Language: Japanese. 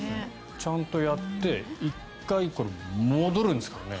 ちゃんとやって１回戻るんですからね。